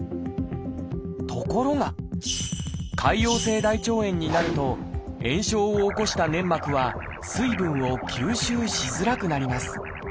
ところが潰瘍性大腸炎になると炎症を起こした粘膜は水分を吸収しづらくなります。